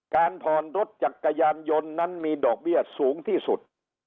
การผ่อนรถจักรยานยนต์นั้นมีดอกเบี้ยสูงที่สุด